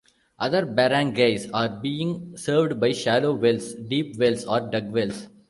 Other barangays are being served by shallow wells, deep wells or dug wells.